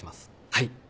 はい。